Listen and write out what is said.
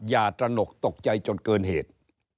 อย่าตระหนกตกใจจนเกินเหตุ